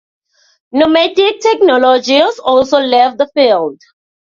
Nomadic Technologies also left the field.